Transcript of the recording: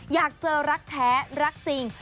อยากเจอรักแท้รักจริง